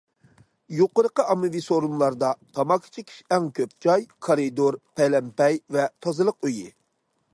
يۇقىرىقى ئاممىۋى سورۇنلاردا تاماكا چېكىش ئەڭ كۆپ جاي كارىدور، پەلەمپەي ۋە تازىلىق ئۆيى.